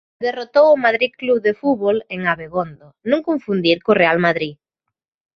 Derrotou o Madrid Club de Fútbol en Abegondo, non confundir co Real Madrid.